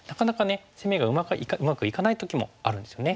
攻めがうまくいかない時もあるんですよね。